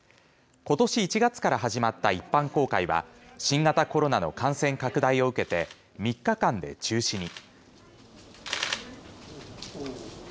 ことし１月から始まった一般公開は新型コロナの感染拡大を受けて３日間で中止に。